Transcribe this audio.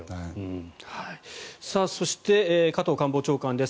そして加藤官房長官です。